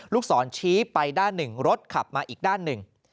ลูกศรชี้ไปด้านหนึ่งรถขับมาอีกด้านหนึ่ง